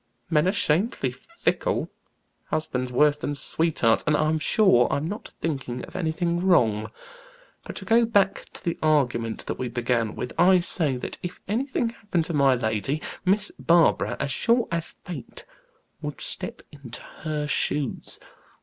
Men are shamefully fickle, husbands worse than sweethearts, and I'm sure I'm not thinking of anything wrong. But to go back to the argument that we began with I say that if anything happened to my lady, Miss Barbara, as sure as fate, would step into her shoes."